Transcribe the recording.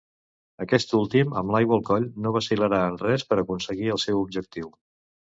Aquest últim, amb l'aigua al coll, no vacil·larà en res per aconseguir el seu objectiu.